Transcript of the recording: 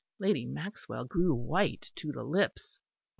Lady Maxwell grew white to the lips.